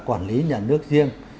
quản lý nhà nước riêng